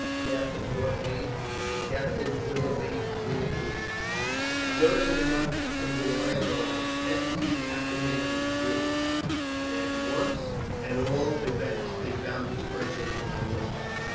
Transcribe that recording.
CHAPTER XIV CAPTAIN WILLOUGHBY REAPPEARS During the months of July and August Ethne's apprehensions grew, and once at all events they found expression on her lips.